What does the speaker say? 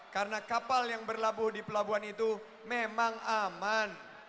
karena kapal yang berlabuh di pelabuhan itu memang aman